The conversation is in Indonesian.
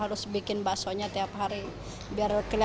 masa ini kita confine nya bahasa jakarta dengananes